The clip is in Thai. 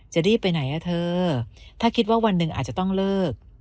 จะรีบไปไหนอ่ะเธอถ้าคิดว่าวันหนึ่งอาจจะต้องเลิก